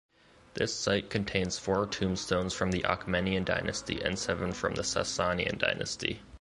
This site contains four tombstones from the Achaemenid dynasty and seven from the Sasanian dynasty.